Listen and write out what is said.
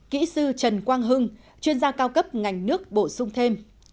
kỹ sư trần quang hưng chuyên gia cao cấp ngành nước bổ sung thêm